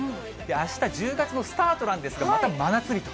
あした１０月のスタートなんですが、また真夏日と。